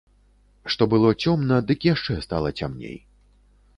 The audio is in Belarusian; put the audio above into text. Што было цёмна, дык яшчэ стала цямней.